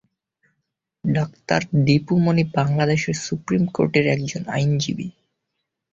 Doctor Dipu Moni Bangladesh supreme কোর্টের একজন আইনজীবী।